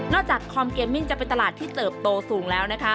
จากคอมเกมมิ่งจะเป็นตลาดที่เติบโตสูงแล้วนะคะ